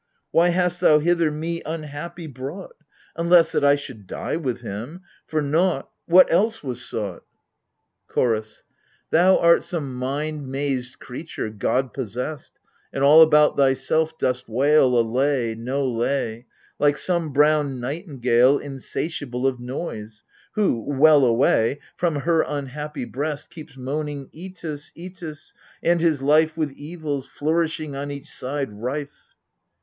Why hast thou hither me unhappy brought ?— Unless that I should die with him — for nought ' What else was sought ? AGAMEMNON. 95 CHOROS. Thou art some mind mazed creature, god possessed :' And all about thyself dost wail A lay — no lay ! Like some brown nightingale Insatiable of noise, who — well away !— From her unhappy breast Keeps moaning Itus, Itus, and his life With evils, flourishing on each side, rife.